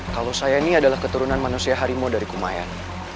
kalau saya ini adalah keturunan manusia harimau dari kumayan